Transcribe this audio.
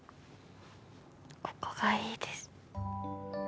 ここがいいです